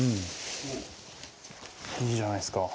いいじゃないですか。